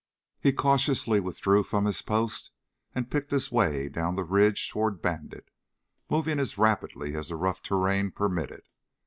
He cautiously withdrew from his post and picked his way down the ridge toward Bandit, moving as rapidly as the rough terrain permitted.